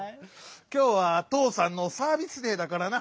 きょうはとうさんのサービスデーだからな。